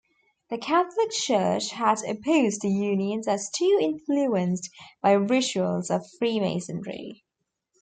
The Catholic Church had opposed the unions as too influenced by rituals of freemasonry.